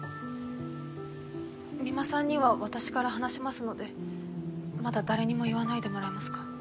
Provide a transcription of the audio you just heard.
三馬さんには私から話しますのでまだ誰にも言わないでもらえますか？